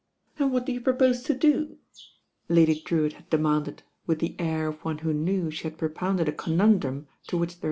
*^* And what do you propose to do?" Lady Drewitt had demanded with the air of one who Lew had^propounded a conundrum to which the„T.